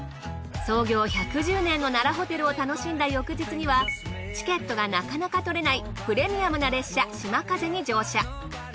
創業１１０年の奈良ホテルを楽しんだ翌日にはチケットがなかなかとれないプレミアムな列車しまかぜに乗車。